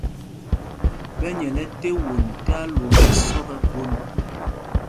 Ɓɛ nyɛl ɛte won tí alwǒmb ɛsɔk ɛ́ khwôn.